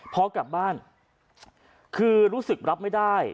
พอกลับบ้านคือรู้สึกรับไม่ได้